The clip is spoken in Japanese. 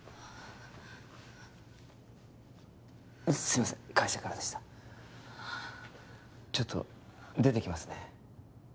すいません会社からでしたちょっと出てきますね